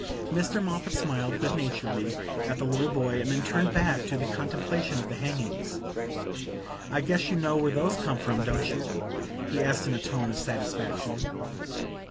Mr. Moffatt smiled good naturedly at the little boy and then turned back to the contemplation of the hangings. "I guess you know where those come from, don't you?" he asked in a tone of satisfaction.